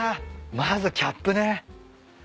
まずキャップね。